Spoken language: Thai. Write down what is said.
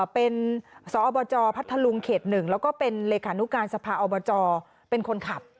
เป็นสอบจพัทธลุงเขต๑แล้วก็เป็นเลขานุการสภาอบจเป็นคนขับ